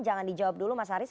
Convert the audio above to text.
jangan dijawab dulu mas haris